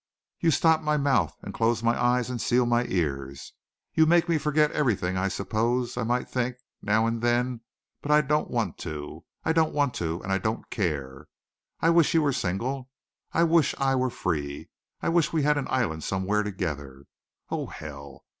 You stop my mouth and close my eyes and seal my ears. You make me forget everything I suppose I might think now and then but I don't want to. I don't want to! And I don't care. I wish you were single. I wish I were free. I wish we had an island somewhere together. Oh, hell!